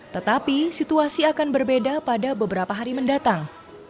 tetapi situasi akan berbeda pada beberapa hari mendatang